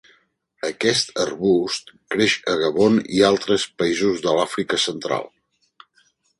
Aquest arbust creix a Gabon i altres països de l'Àfrica central.